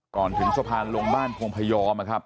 ก่อนถึงสะพานลงบ้านพงพยอมนะครับ